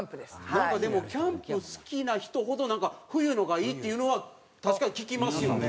なんかでもキャンプ好きな人ほど冬のがいいっていうのは確かに聞きますよね。